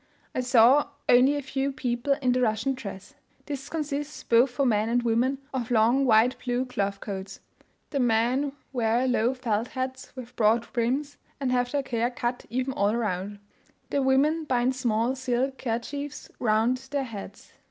I saw only a few people in the Russian dress. This consists, both for men and women, of long wide blue cloth coats; the men wear low felt hats, with broad brims, and have their hair cut even all round; the women bind small silk kerchiefs round their heads.